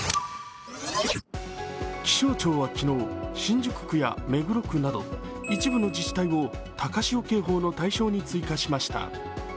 気象庁は昨日、新宿区や目黒区など一部の自治体を高潮警報の対象に追加しました。